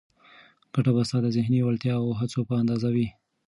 ګټه به ستا د ذهني وړتیا او هڅو په اندازه وي.